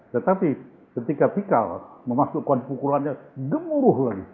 tetapi ketika pikal memasukkan pukulannya gemuruh lagi